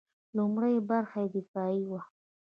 لومړۍ برخه یې دفاعي وه.